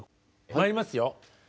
まいりますよ。